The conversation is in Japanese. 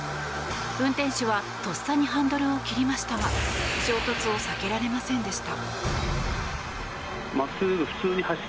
運転手はとっさにハンドルを切りましたが衝突を避けられませんでした。